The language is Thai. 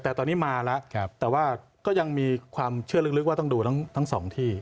แต่ตอนนี้มาแล้วแต่ว่าก็ยังมีความเชื่อลึกว่าต้องดูทั้งสองที่